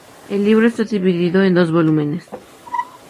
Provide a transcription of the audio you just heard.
El libro está divido en dos volúmenes.